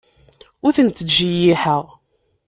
Ur tent-ttjeyyiḥeɣ.